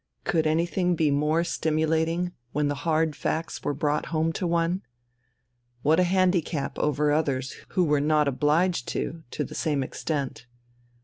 Could anything be more stimulating, when the hard facts were brought home to one? What a handicap over others who "were not obliged to" to the same extent!